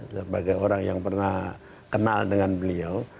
sebagai orang yang pernah kenal dengan beliau